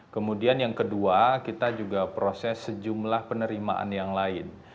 kemudian yang kedua kita juga proses sejumlah penerimaan yang lain